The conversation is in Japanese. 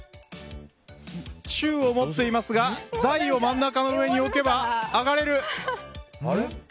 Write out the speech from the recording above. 中を持っていますが大を真ん中に置けば上がれる！